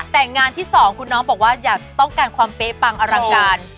แต่งานที่๒คุณน้องบอกว่าอยากต้องการความเป๊ะปังอลังการ